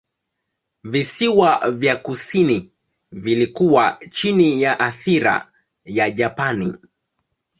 Visiwa vya kusini vilikuwa chini ya athira ya Japani.